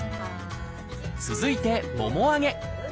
続いてもも上げ。